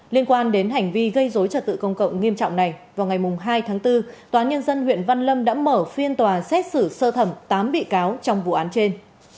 liên quan đến hành vi gây dối trật tự công cộng nghiêm trọng này vào ngày hai tháng bốn tòa nhân dân huyện văn lâm đã mở phiên tòa xét xử sơ thẩm tám bị cáo trong vụ án trên